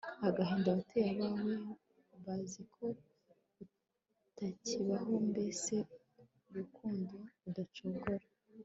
agahinda wateye abawe bazi ko utakibaho mbese rukundo rudacogora